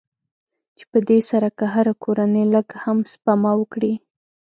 چې په دې سره که هره کورنۍ لږ هم سپما وکړي.